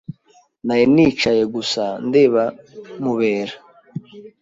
Nari nicaye gusa ndeba Mubera.